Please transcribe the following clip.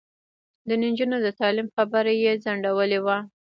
د نجونو د تعلیم خبره یې ځنډولې وه.